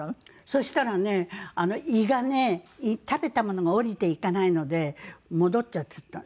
そしたらね胃がね食べたものが下りていかないので戻っちゃって。